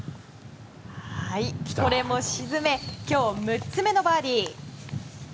これも沈め今日、６つ目のバーディー。